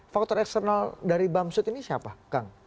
faktor eksternal dari bamsud ini siapa kang